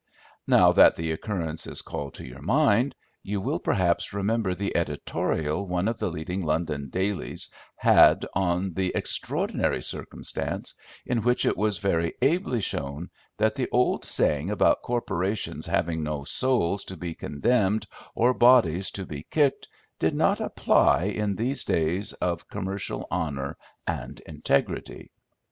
Now that the occurrence is called to your mind, you will perhaps remember the editorial one of the leading London dailies had on the extraordinary circumstance, in which it was very ably shown that the old saying about corporations having no souls to be condemned or bodies to be kicked did not apply in these days of commercial honour and integrity.